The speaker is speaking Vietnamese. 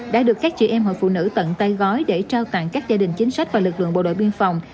đã được các chị em hội phụ nữ tận tay gói để trao tặng các gia đình chính sách và lực lượng bộ đội biên phòng